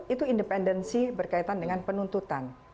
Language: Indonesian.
itu independensi berkaitan dengan penuntutan